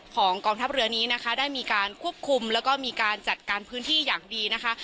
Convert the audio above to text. กองทัพเรือนี้นะคะได้มีการควบคุมแล้วก็มีการจัดการพื้นที่อย่างดีนะคะ